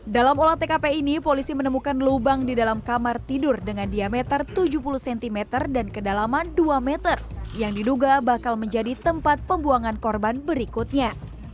dalam olah tkp ini polisi menemukan lubang di dalam kamar tidur dengan diameter tujuh puluh cm dan kedalaman dua meter yang diduga bakal menjadi tempat pembuangan korban berikutnya